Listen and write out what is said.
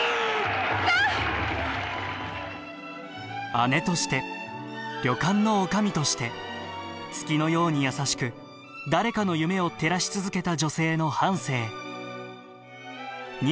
姉として旅館の女将として月のように優しく誰かの夢を照らし続けた女性の半生連続テレビ小説「純ちゃんの応援歌」。